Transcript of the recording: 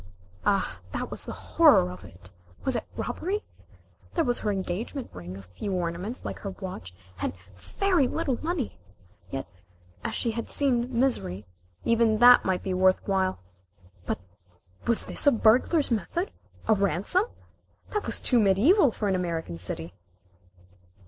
Ah, that was the horror of it! Was it robbery? There was her engagement ring, a few ornaments like her watch, and very little money! Yet, as she had seen misery, even that might be worth while. But was this a burglar's method? A ransom? That was too mediæval for an American city.